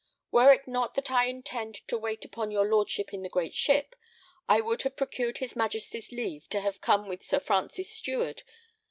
Were it not that I intend to wait upon your lordship in the great ship, I would have procured his Majesty's leave to have come with Sir Francis Steward.